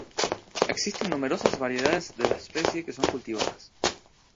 Existen numerosas variedades de la especie que son cultivadas.